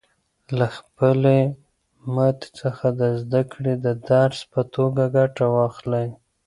له خپلې ماتې څخه د زده کړې د درس په توګه ګټه واخلئ.